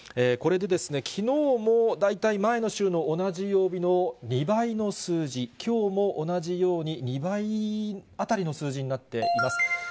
これできのうも大体前の週の同じ曜日の２倍の数字、きょうも同じように２倍当たりの数字になっています。